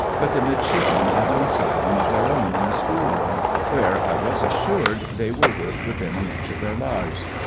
But the Midshipmen have an asylum of their own in the School room, where, I was assured, they were worked within an inch of their lives.